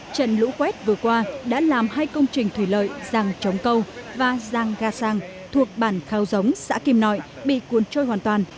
trận lũ quét vừa qua đã làm hai công trình thủy lợi giang trống câu và giang ga sang thuộc bản khao giống xã kim nội bị cuốn trôi hoàn toàn